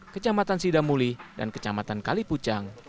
kecamatan sidamuli dan kecamatan kalipucang